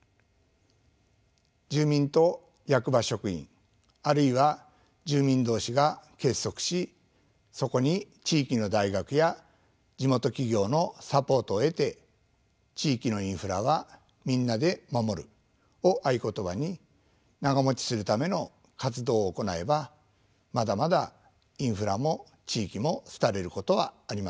住民と役場職員あるいは住民同士が結束しそこに地域の大学や地元企業のサポートを得て地域のインフラはみんなで守るを合言葉に長もちするための活動を行えばまだまだインフラも地域も廃れることはありません。